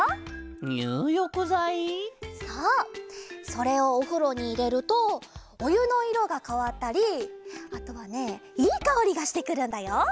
それをおふろにいれるとおゆのいろがかわったりあとはねいいかおりがしてくるんだよ。